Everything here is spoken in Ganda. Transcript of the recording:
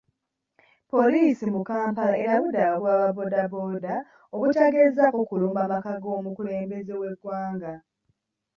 Poliisi mu Kampala erabudde abagoba ba boda boda obutagezaako kulumba maka g'omukulembeze w'eggwanga.